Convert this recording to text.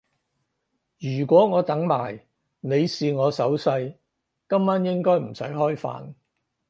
如果我等埋你試我手勢，今晚應該唔使開飯